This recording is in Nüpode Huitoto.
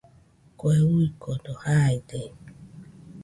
Kue uikode jaide